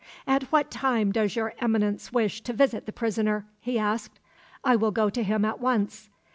"At what time does Your Eminence wish to visit the prisoner?" he asked. "I will go to him at once."